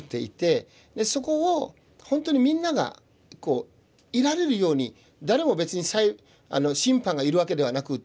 でそこを本当にみんながいられるように誰も別に審判がいるわけではなくって。